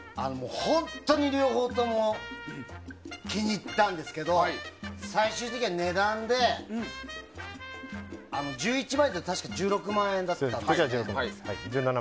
本当に、両方とも気に入ったんですけど最終的には値段で１１万円と１６万円だったんですよね。